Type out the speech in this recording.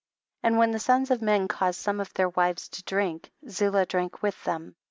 21. And when the sons of men caused some of their wives to drink, Ziilah drank with them.